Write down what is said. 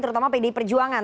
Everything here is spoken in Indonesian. terutama pdi perjuangan